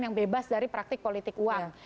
yang bebas dari praktik politik uang